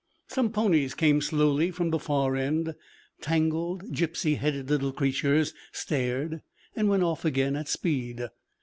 Some ponies came slowly from the far end, tangled, gypsy headed little creatures, stared, and went off again at speed.